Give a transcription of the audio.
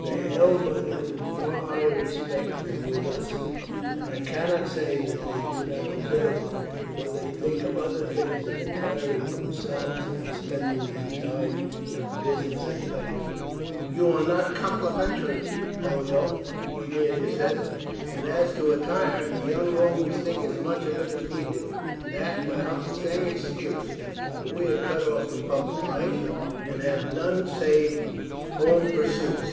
They are held by them in far higher respect than with us, and I cannot say that they do not deserve it, for they think of other things than attiring themselves and spending their time in visits and pleasure." "You are not complimentary, Pollio," Aemilia said; "and as to attire, the young Romans think as much of it as we do, and that without the same excuse, for we are cut off from public life, and have none save home pursuits.